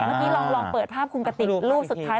เมื่อกี้ลองเปิดภาพคุณกติกรูปสุดท้าย